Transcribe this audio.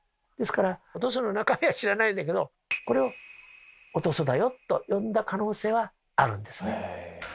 ですからお屠蘇の中身は知らないんだけどこれをお屠蘇だよと呼んだ可能性はあるんですね。